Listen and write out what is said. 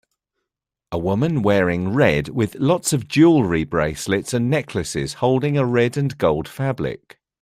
A woman wearing red With lots of jewelry bracelets and necklaces holding a red and gold fabric